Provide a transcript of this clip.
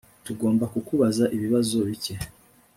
Tugomba kukubaza ibibazo bike